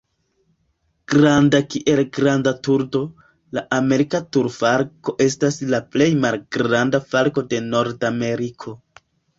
Granda kiel granda turdo, la Amerika turfalko estas la plej malgranda falko de Nordameriko.